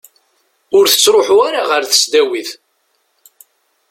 Ur tettruḥu ara ɣer tesdawit.